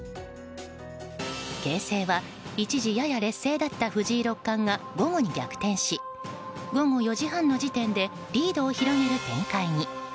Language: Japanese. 形勢は、一時やや劣勢だった藤井六冠が午後に逆転し午後４時半の時点でリードを広げる展開に。